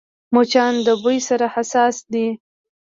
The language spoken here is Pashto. مچان د بوی سره حساس دي